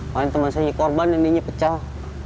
paling teman saya dikorban nendinya pecah